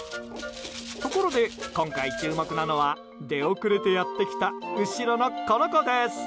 ところで、今回注目なのは出遅れてやってきた後ろの、この子です。